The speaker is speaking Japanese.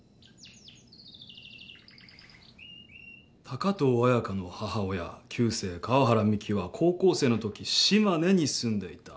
高遠綾香の母親旧姓川原美樹は高校生のとき島根に住んでいた。